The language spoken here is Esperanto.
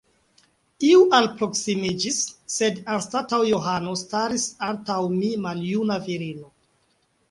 Iu alproksimiĝis, sed anstataŭ Johano staris antaŭ mi maljuna virino.